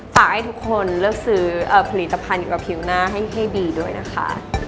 ฝากให้ทุกคนเลือกซื้อผลิตภัณฑ์เกี่ยวกับผิวหน้าให้ดีด้วยนะคะ